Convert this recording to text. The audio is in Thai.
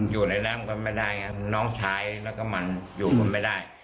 อยู่ในร่างก็ไม่ได้น้องชายแล้วก็มันอยู่กันไม่ได้